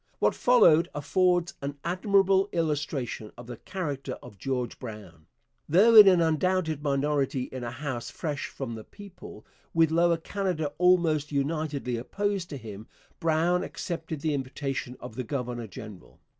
What followed affords an admirable illustration of the character of George Brown. Though in an undoubted minority in a House fresh from the people, with Lower Canada almost unitedly opposed to him, Brown accepted the invitation of the governor general.